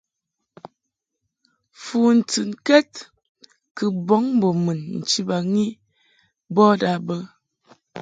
Fu ntɨnkɛd kɨ bɔŋ mbo mun nchibaŋ i bɔd a bə.